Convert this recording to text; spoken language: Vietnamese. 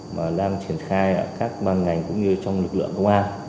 mà đang triển khai ở các ban ngành cũng như trong lực lượng công an